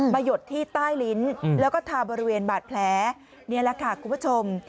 หยดที่ใต้ลิ้นแล้วก็ทาบริเวณบาดแผลนี่แหละค่ะคุณผู้ชม